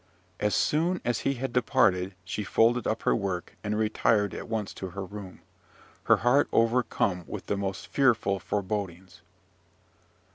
As soon as he had departed, she folded up her work, and retired at once to her room, her heart overcome with the most fearful forebodings.